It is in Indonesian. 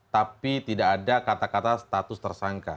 tapi tidak ada kata kata status tersangka